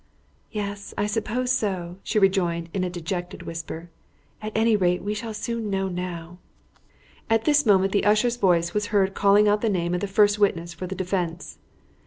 "Yes. I suppose so," she rejoined in a dejected whisper. "At any rate we shall soon know now." At this moment the usher's voice was heard calling out the name of the first witness for the defence.